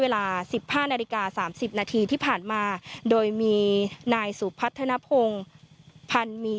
เวลาสิบห้านาฬิกาสามสิบนาทีที่ผ่านมาโดยมีนายสูบพัฒนภงพันธ์มี